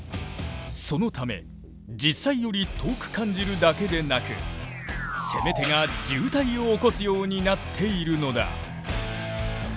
そのため実際より遠く感じるだけでなく攻め手が渋滞を起こすようになっているのだ。